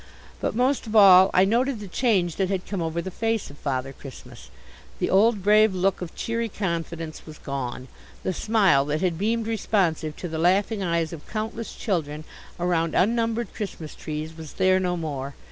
But most of all I noted the change that had come over the face of Father Christmas. The old brave look of cheery confidence was gone. The smile that had beamed responsive to the laughing eyes of countless children around unnumbered Christmas trees was there no more.